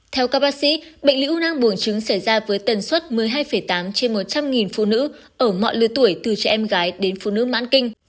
theo các bác sĩ bệnh lý ưu nang bùn trứng xảy ra với tần suất một mươi hai tám trên một trăm linh phụ nữ ở mọi lứa tuổi từ trẻ em gái đến phụ nữ mãn kinh